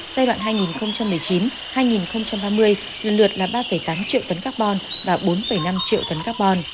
giai đoạn hai nghìn một mươi chín hai nghìn ba mươi lần lượt là ba tám triệu tấn carbon và bốn năm triệu tấn carbon